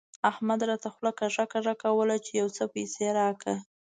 احمد راته خوله کږه کږه کوله چې يو څو پيسې راکړه.